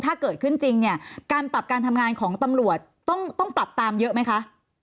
ถ้าเกิดขึ้นจริงเนี่ยการปรับการทำงานของตำรวจต้องปรับตามเยอะไหมคะ